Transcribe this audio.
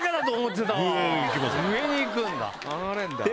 上に行くんだ。